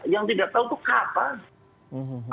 yang tidak tahu itu kapan